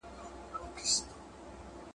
ایا نوي کروندګر تور ممیز پلوري؟